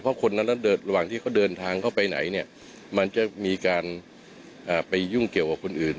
เพราะคนนั้นระหว่างที่เขาเดินทางเข้าไปไหนเนี่ยมันจะมีการไปยุ่งเกี่ยวกับคนอื่น